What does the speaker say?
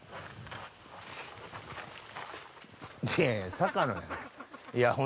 坂野やん。